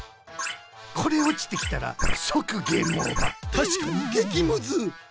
これおちてきたらそくゲームオーバーたしかにげきムズ！